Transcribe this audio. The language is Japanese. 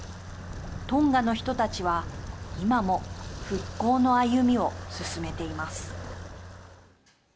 トンガの人たちは今も復興の歩みを進めています。